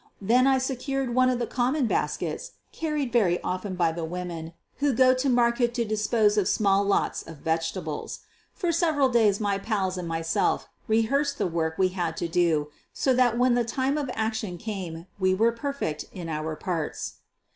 Then I secured one of the common baskets carried very often by the women who go to market to dispose of small lots of vegetables. For several days my pals and myself rehearsed the work we had to do so that when the time of action came we were per fect in our parts.